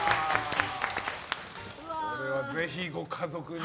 これは、ぜひご家族に。